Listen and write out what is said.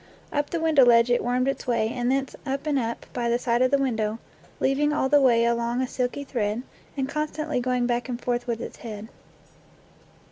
Up the window ledge it wormed its way, and thence up and up, by the side of the window, leaving all the way along a silky thread, and constantly going back and forth with its head.